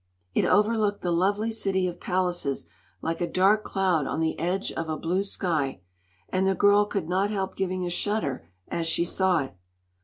It overlooked the lovely city of palaces like a dark cloud on the edge of a blue sky, and the girl could not help giving a shudder as she saw it.